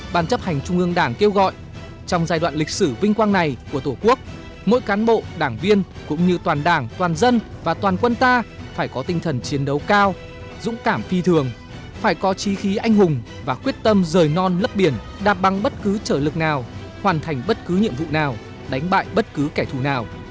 bàn chấp hành trung ương đảng kêu gọi trong giai đoạn lịch sử vinh quang này của tổ quốc mỗi cán bộ đảng viên cũng như toàn đảng toàn dân và toàn quân ta phải có tinh thần chiến đấu cao dũng cảm phi thường phải có chi khí anh hùng và quyết tâm rời non lấp biển đạp băng bất cứ trở lực nào hoàn thành bất cứ nhiệm vụ nào đánh bại bất cứ kẻ thù nào